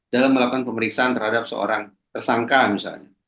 dalam melakukan pemeriksaan terhadap seorang tersangka misalnya